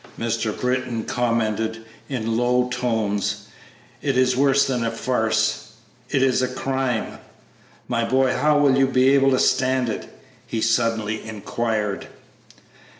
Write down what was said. Mr. Britton commented, in low tones; "it is worse than a farce, it is a crime! My boy, how will you be able to stand it?" he suddenly inquired.